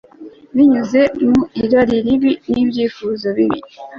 binyuze mu irari ribi nibyifuzo bibi